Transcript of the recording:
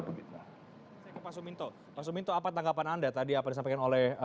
pak suminto apa tanggapan anda tadi apa yang disampaikan oleh